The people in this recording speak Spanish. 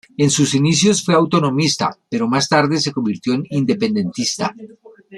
En sus inicios fue autonomista, pero más tarde se convirtió en independentista.